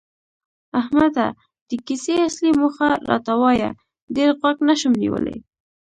احمده! د کیسې اصلي موخه راته وایه، ډېر غوږ نشم نیولی.